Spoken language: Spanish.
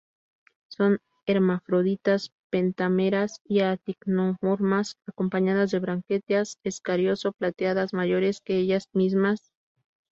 Son hermafroditas, pentámeras y actinomorfas, acompañadas de brácteas escarioso-plateadas mayores que ellas mismas.